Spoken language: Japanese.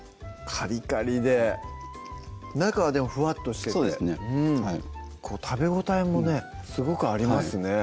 カリカリで中はでもふわっとしててそうですね食べ応えもねすごくありますね